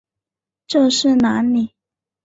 这是哪里？